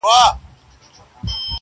دېوالونه په پردو کي را ايسار دي~